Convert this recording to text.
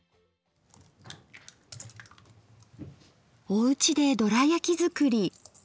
おうちでドラやき作り。